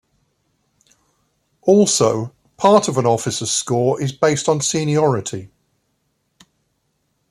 Also part of an officer's score is based on seniority.